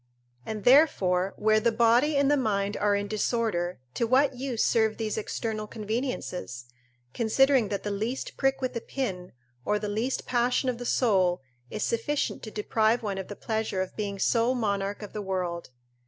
And therefore where the body and the mind are in disorder, to what use serve these external conveniences: considering that the least prick with a pin, or the least passion of the soul, is sufficient to deprive one of the pleasure of being sole monarch of the world.